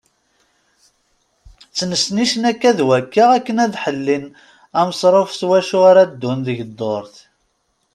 Ttnecnicen akka d wakka akken ad ḥellin amesruf s wacu ara ddun deg ddurt.